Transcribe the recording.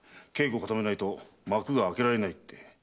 稽古を固めないと幕が開けられないって。